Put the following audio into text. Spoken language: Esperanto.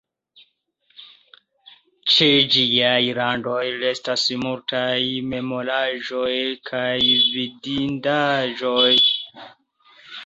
Ĉe ĝiaj randoj restas multaj memoraĵoj kaj vidindaĵoj.